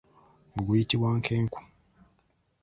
Ogwo guyitibwa nkenku.